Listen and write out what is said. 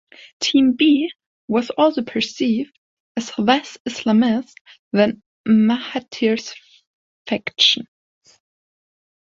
Team B was also perceived as less Islamist than Mahathir's faction.